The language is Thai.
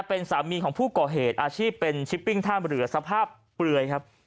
เป็นสามีของผู้ก่อเหตุอาชีพเป็นชิปปิ้งท่ามเรือสภาพเปลือยครับ